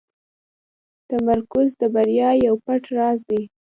تمرکز د بریا یو پټ راز دی.